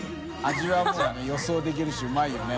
もうね予想できるしうまいよね。